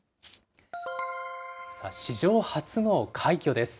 史上初の快挙です。